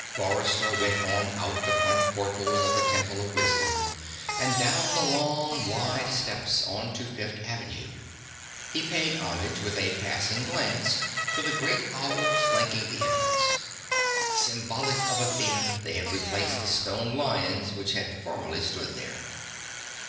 Forrester went on out the front portals of the Temple of Wisdom and down the long, wide steps onto Fifth Avenue. He paid homage with a passing glance to the great Owls flanking the entrance. Symbolic of Athena, they had replaced the stone lions which had formerly stood there.